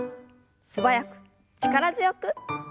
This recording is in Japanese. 素早く力強く。